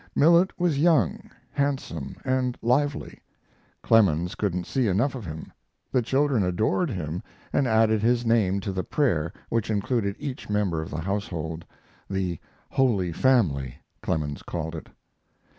Millet was young, handsome, and lively; Clemens couldn't see enough of him, the children adored him and added his name to the prayer which included each member of the household the "Holy Family," Clemens called it.